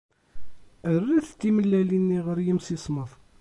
Rret timellalin-nni ɣer yimsismeḍ.